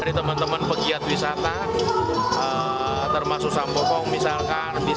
jadi teman teman pegiat wisata termasuk sampokong misalkan